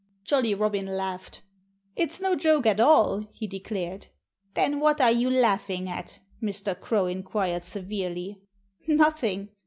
Jolly Robin laughed. "It's no joke at all!" he declared. "Then what are you laughing at?" Mr. Crow inquired severely. "Nothing!"